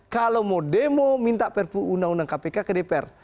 kalau mau demo minta perpu undang undang kpk ke dpr